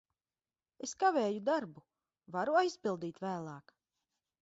Es kavēju darbu. Varu aizpildīt vēlāk?